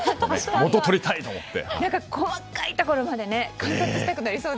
元とりたい！と思って。